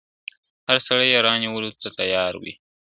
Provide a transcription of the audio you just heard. هر سړی یې رانیولو ته تیار وي ..